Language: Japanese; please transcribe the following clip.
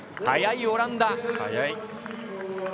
速いオランダ。